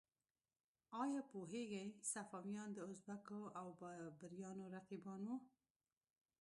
ایا پوهیږئ صفویان د ازبکو او بابریانو رقیبان وو؟